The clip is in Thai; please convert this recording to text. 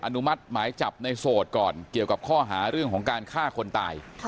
นุมัติหมายจับในโสดก่อนเกี่ยวกับข้อหาเรื่องของการฆ่าคนตาย